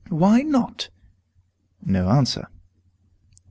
"Why not?" No answer.